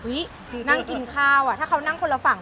นั่งกินข้าวอ่ะถ้าเขานั่งคนละฝั่ง